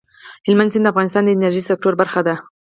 هلمند سیند د افغانستان د انرژۍ سکتور برخه ده.